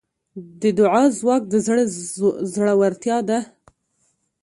د دعا ځواک د زړه زړورتیا ده.